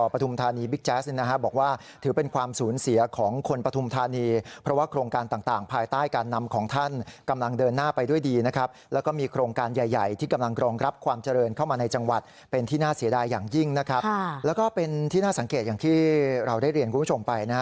พอต้องพูดคุ้มคุณผู้ชมไปนะครับ